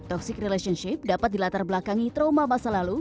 toxic relationship dapat dilatar belakangi trauma masa lalu